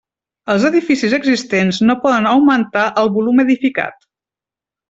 Els edificis existents no poden augmentar el volum edificat.